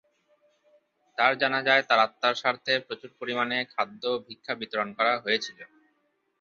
তার জানাজায় তার আত্মার স্বার্থে প্রচুর পরিমাণে খাদ্য ও ভিক্ষা বিতরণ করা হয়েছিল।